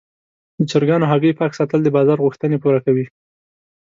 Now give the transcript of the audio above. د چرګانو هګۍ پاک ساتل د بازار غوښتنې پوره کوي.